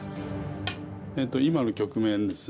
今の局面ですね